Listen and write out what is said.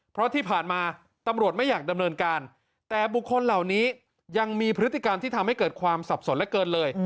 เพราะที่ผ่านมาตำรวจไม่อยากดำเนินการแต่บุคคลเหล่านี้ยังมีพฤติกรรมที่ทำให้เกิดความสับสนเหลือเกินเลย